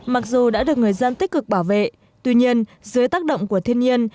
mặc dù đã được người dân tích cực bảo vệ tuy nhiên dưới tác động của thiên nhiên